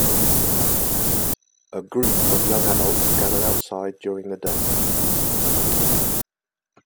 A group of young adults gather outside during the day.